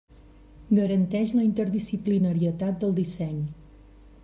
Garanteix la interdisciplinarietat del disseny.